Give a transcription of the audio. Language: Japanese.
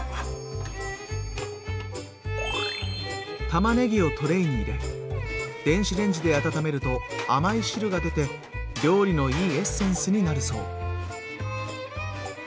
たまねぎをトレーに入れ電子レンジで温めると甘い汁が出て料理のいいエッセンスになるそう。